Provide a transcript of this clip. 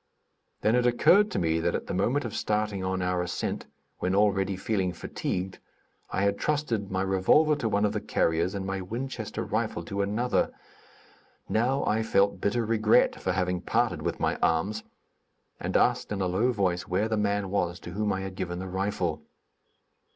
Then it occurred to me that at the moment of starting on our ascent, when already feeling fatigued, I had entrusted my revolver to one of the carriers, and my Winchester rifle to another. Now I felt bitter regret for having parted with my arms, and asked in a low voice where the man was to whom I had given the rifle.